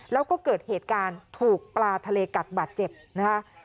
แล้วก็เกิดเหตุการณ์ถูกปลาทะเลกัดบาดเจ็บนะคะ